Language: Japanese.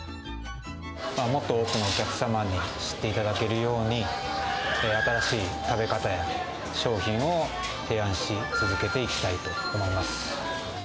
もっと多くのお客様に知っていただけるように、こういう新しい食べ方や商品を提案し続けていきたいと思います。